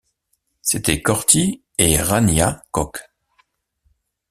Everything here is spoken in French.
C’étaient Corty et Ranyah Cogh.